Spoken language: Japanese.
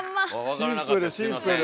シンプルシンプル！